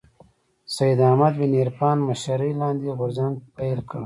سید احمد بن عرفان مشرۍ لاندې غورځنګ پيل کړ